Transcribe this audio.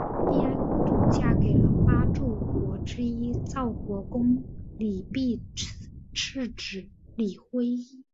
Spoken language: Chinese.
义安公主嫁给了八柱国之一赵国公李弼次子李晖。